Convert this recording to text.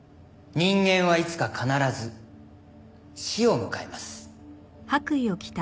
人間はいつか必ず死を迎えます。